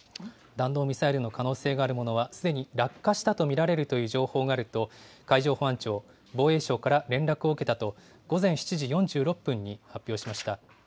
弾道ミサイルの可能性があるものは、すでに落下したと見られるという情報があると、海上保安庁、防衛省から連絡を受けたと、午前７時４６分に発表しました。